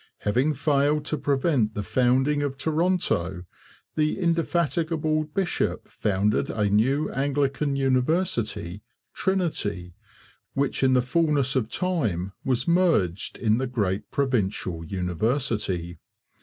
Having failed to prevent the founding of Toronto, the indefatigable bishop founded a new Anglican university, Trinity, which in the fullness of time was merged in the great provincial university.